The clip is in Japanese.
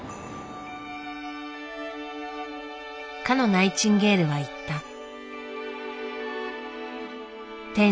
かのナイチンゲールは言った。